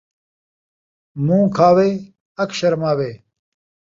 مون٘ہہ کھاوے ، اکھ شرماوے